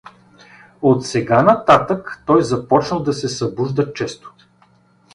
Отсега нататък той започна да се събужда често.